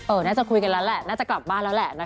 น่าจะคุยกันแล้วแหละน่าจะกลับบ้านแล้วแหละนะคะ